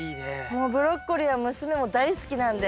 もうブロッコリーは娘も大好きなんで。